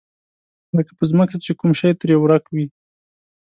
لکه په ځمکه چې کوم شی ترې ورک وي.